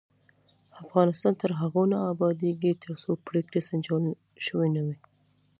افغانستان تر هغو نه ابادیږي، ترڅو پریکړې سنجول شوې نه وي.